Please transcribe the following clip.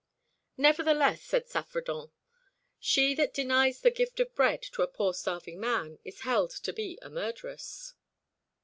"Nevertheless," said Saffredent, "she that denies the gift of bread to a poor starving man is held to be a murderess."